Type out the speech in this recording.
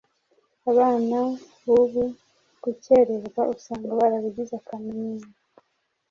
Abana b’ubu gukererwa usanga barabigize akamenyero,